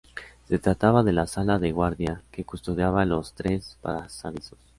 Se trataba de la "Sala de Guardia" que custodiaba los tres pasadizos.